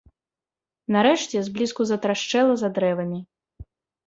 Нарэшце зблізку затрашчэла за дрэвамі.